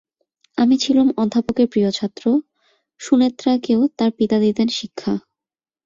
আমি ছিলুম অধ্যাপকের প্রিয় ছাত্র, সুনেত্রাকেও তার পিতা দিতেন শিক্ষা।